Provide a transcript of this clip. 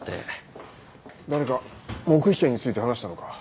誰か黙秘権について話したのか？